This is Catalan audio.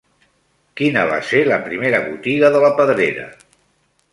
Quina va ser la primera botiga de la Pedrera?